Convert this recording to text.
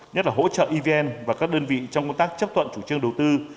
nhất là hỗ trợ evn và các đơn vị trong công tác chấp thuận chủ trương đầu tư